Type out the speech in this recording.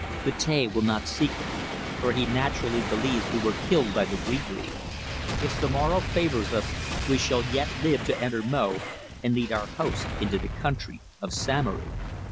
Betea will not seek us, for he naturally believes we were killed by the gree gree. If Zomara favours us we shall yet live to enter Mo and lead our hosts into the country of Samory."